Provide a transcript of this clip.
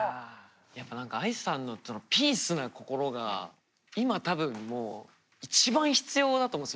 やっぱ何かＡＩさんのピースな心が今多分もう一番必要だと思うんです世の中に。